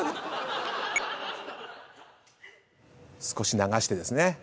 少し流してですね。